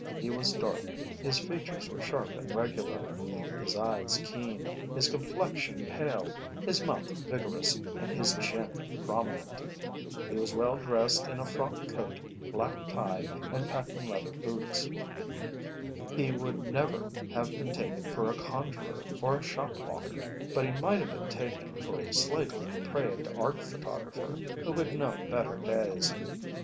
He was dark; his features were sharp and regular, his eyes keen, his complexion pale, his mouth vigorous, and his chin prominent. He was well dressed in a frock coat, black tie, and patent leather boots. He would never have been taken for a conjurer or a shop walker, but he might have been taken for a slightly depraved Art photographer who had known better days.